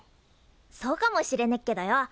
そうかもしれねっけどよ